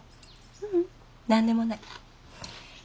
ううん何でもない。